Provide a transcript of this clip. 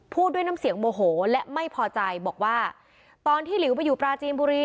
พูดด้วยน้ำเสียงโมโหและไม่พอใจบอกว่าตอนที่หลิวไปอยู่ปราจีนบุรี